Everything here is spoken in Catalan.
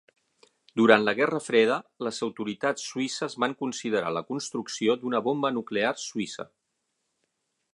Durant la Guerra Freda, les autoritats suïsses van considerar la construcció d'una bomba nuclear suïssa.